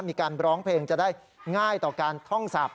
มีการร้องเพลงจะได้ง่ายต่อการท่องสับ